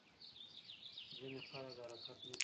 ځینې خلک حرکت نه کوي.